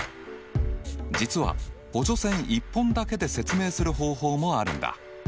実は補助線１本だけで説明する方法もあるんだ。